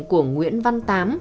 của nguyễn văn tám